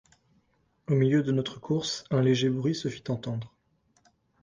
Au milieu de notre course, un léger bruit se fit entendre.